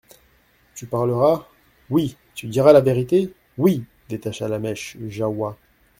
Tu parleras ? Oui ! Tu diras la vérité ? Oui ! Détache la mèche, Jahoua.